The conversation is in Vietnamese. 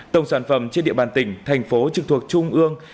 tổng sản phẩm trên địa bàn tỉnh thành phố trực thuộc trung ương